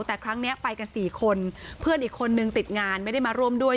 แต่ครั้งนี้ไปกัน๔คนเพื่อนอีกคนนึงติดงานไม่ได้มาร่วมด้วย